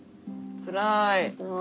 つらい。